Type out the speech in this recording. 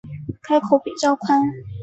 开口比较宽